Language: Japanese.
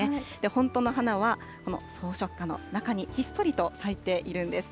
本当の花は、このそうしょくかの中にひっそりと咲いているんです。